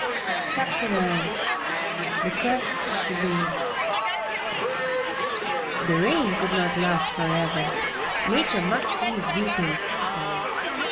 CHAPTER IX THE CREST OF THE WAVE The rain could not last forever; Nature must cease weeping some time.